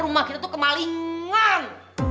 rumah kita tuh kemalingan